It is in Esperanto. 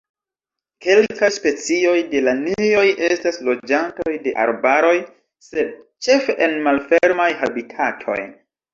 Kelkaj specioj de lanioj estas loĝantoj de arbaroj, sed ĉefe en malfermaj habitatoj.